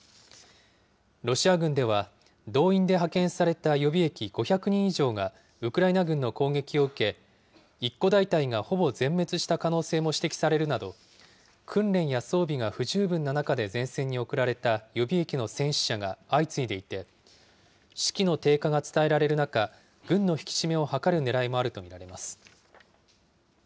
ロシア軍では、動員で派遣された予備役５００人以上が、ウクライナ軍の攻撃を受け、一個大隊がほぼ全滅した可能性も指摘されるなど、訓練や装備が不十分な中で前線に送られた予備役の戦死者が相次いでいて、士気の低下が伝えられる中、軍の引き締めを図るねらいもあると見られます。